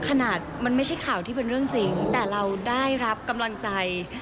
ขนาดมันไม่ใช่ข่าวที่เป็นเรื่องจริงแต่เราได้รับกำลังใจ